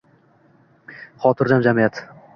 Xotirjam jamiyat